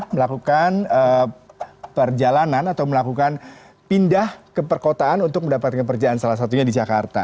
melakukan perjalanan atau melakukan pindah ke perkotaan untuk mendapatkan pekerjaan salah satunya di jakarta